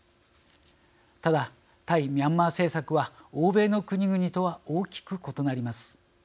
ただ、対ミャンマー政策は欧米の国々とは大きく異なります。